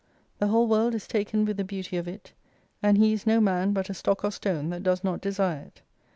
The whole world is taken with the beauty of it : and he is no man, but a stock or stone that does not desire it.